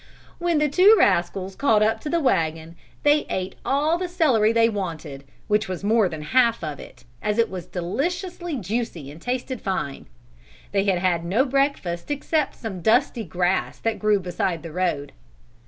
When the two rascals caught up to the wagon they ate all the celery they wanted, which was more than half of it, as it was deliciously juicy and tasted fine. They had had no breakfast except some dusty grass that grew beside the road.